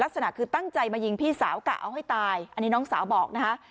ลักษณะคือตั้งใจมายิงพี่สาวกะเอาให้ตายอันนี้น้องสาวบอกนะคะ